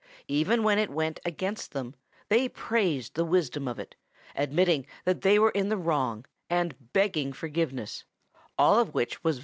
Even when it went against them they praised the wisdom of it, admitting that they were in the wrong and begging forgiveness, all of which was very flattering to Thunderfoot.